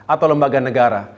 atau lembaga negara